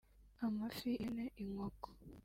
amafi ihene inkoko